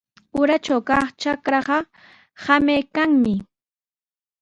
Uratraw kaq trakraaqa samaykanmi.